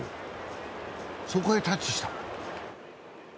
そこへタッチした。